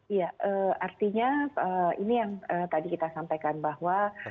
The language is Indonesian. iya artinya ini yang tadi kita sampaikan bahwa